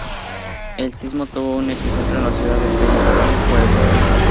El sismo tuvo como epicentro la ciudad de Tehuacán, Puebla.